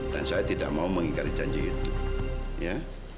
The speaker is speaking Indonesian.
dan saya tidak mau mengingat janji itu ya